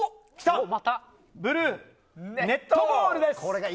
ブルー、ネットボールです。